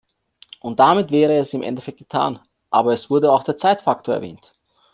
Und damit wäre es im Endeffekt getan, aber es wurde auch der Zeitfaktor erwähnt.